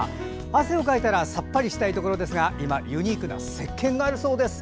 汗をかいたらさっぱりしたいところですが今、ユニークなせっけんがあるそうです。